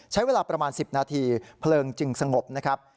ใช้เวลาประมาณ๑๐นาทีเพลิงจึงสงบนะครับ